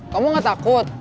kamu nggak takut